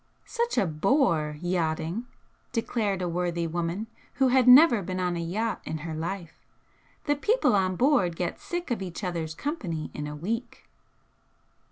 "Such a bore, yachting!" declared a worthy woman who had never been on a yacht in her life "The people on board get sick of each other's company in a week!"